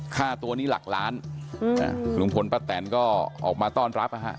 ค่าตัวนี้หลักล้านลุงพลป้าแตนก็ออกมาต้อนรับนะฮะ